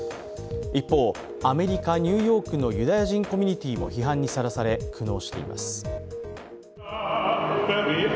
一方、アメリカ・ニューヨークのユダヤ人コミュニティーも批判にさらされ、苦悩しています。